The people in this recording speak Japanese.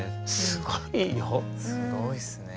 すごいっすね。